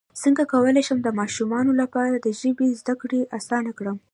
څنګه کولی شم د ماشومانو لپاره د ژبې زدکړه اسانه کړم